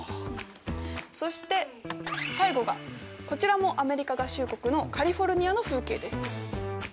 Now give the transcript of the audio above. そして最後がこちらもアメリカ合衆国のカリフォルニアの風景です。